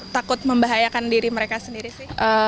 takut membahayakan diri mereka sendiri sih